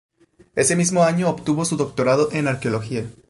Ese mismo año obtuvo su doctorado en Arqueología.